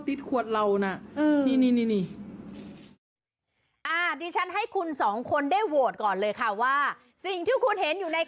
ฟิลล์ไม่ฟิลล์ไม่รู้แต่มีบางอย่างอยู่ในไข่